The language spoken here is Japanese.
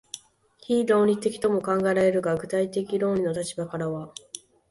非論理的とも考えられるが、具体的論理の立場からは、